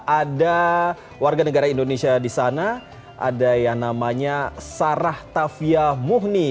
ada warga negara indonesia di sana ada yang namanya sarah tafia muhni